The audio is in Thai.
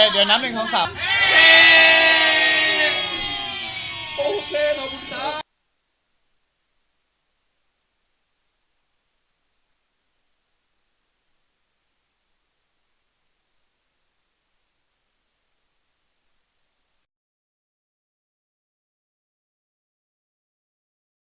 โปรดติดตามตอนต่อไป